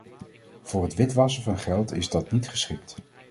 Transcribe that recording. Voor het witwassen van geld is dat niet geschikt.